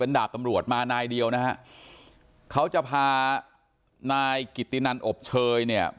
ดาบตำรวจมานายเดียวนะฮะเขาจะพานายกิตตินันอบเชยเนี่ย